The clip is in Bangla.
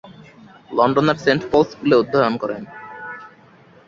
লন্ডনের সেন্ট পল'স স্কুলে অধ্যয়ন করেন।